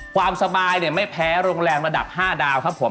ความสบายเนี่ยไม่แพ้โรงแรมระดับ๕ดาวครับผม